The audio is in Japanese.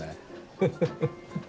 フフフフ。